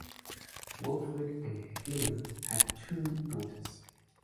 Wilfred and Helena had two daughters.